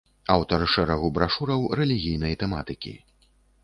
Аўтар шэрагу брашураў рэлігійнай тэматыкі.